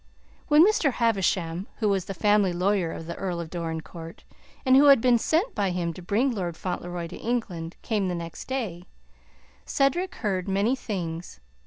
When Mr. Havisham who was the family lawyer of the Earl of Dorincourt, and who had been sent by him to bring Lord Fauntleroy to England came the next day, Cedric heard many things.